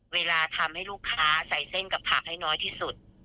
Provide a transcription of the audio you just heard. เวลาทำให้ลูกค้าใส่เส้นกับผักให้น้อยที่สุด